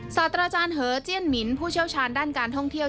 ศาสตราจารย์เหอเจียนหมินผู้เชี่ยวชาญด้านการท่องเที่ยว